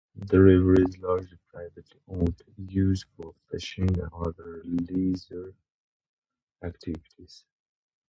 The river is largely privately owned, used for fishing and other leisure activities.